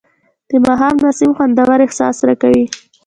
د ماښام نسیم خوندور احساس راکوي